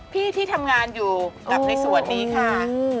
ที่ที่ทำงานอยู่กับในส่วนนี้ค่ะ